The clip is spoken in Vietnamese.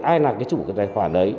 ai là cái chủ tài khoản đấy